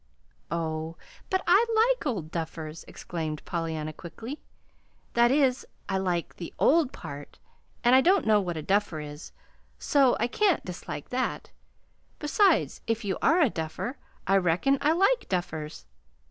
"Oh, but I like old duffers," exclaimed Pollyanna quickly; "that is, I like the OLD part, and I don't know what a duffer is, so I can't dislike that. Besides, if you are a duffer, I reckon I like duffers.